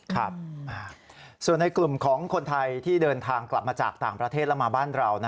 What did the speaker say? ครับส่วนในกลุ่มของคนไทยที่เดินทางกลับมาจากต่างประเทศแล้วมาบ้านเรา